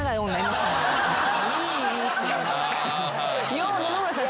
よう野々村さん